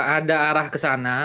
ada arah ke sana